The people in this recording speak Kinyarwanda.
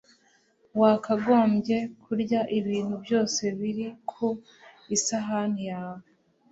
wakagombye kurya ibintu byose biri ku isahani yawe